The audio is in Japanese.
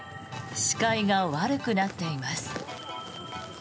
視界が悪くなっています。